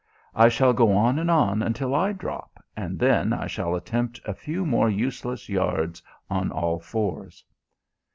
I shall go on and on until I drop, and then I shall attempt a few more useless yards on all fours...."